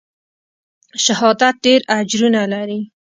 شهادت ډېر اجرونه لري.